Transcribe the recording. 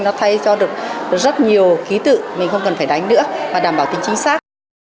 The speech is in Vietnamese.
nó thay cho được rất nhiều ký tự mình không cần phải đánh nữa và đảm bảo tính chính xác